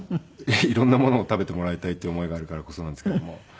色んなものを食べてもらいたいっていう思いがあるからこそなんですけども。